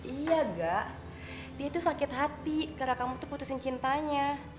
iya gak dia itu sakit hati karena kamu tuh putusin cintanya